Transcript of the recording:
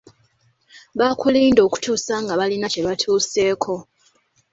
Baakulinda okutuusa nga balina kye batuuseeko.